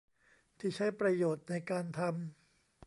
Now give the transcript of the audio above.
ที่ใช้ประโยชน์ในการทำ